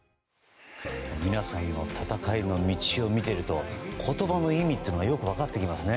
皆さんの戦いの道を見ていると言葉の意味というのがよく分かってきますね